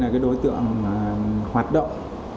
đây là đối tượng hoạt động